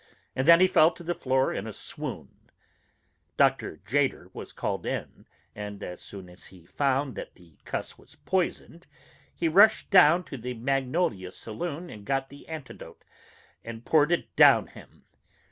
And then he fell to the floor in a swoon. Dr. Tjader was called in, and as soon as he found that the cuss was poisoned, he rushed down to the Magnolia Saloon and got the antidote, and poured it down him.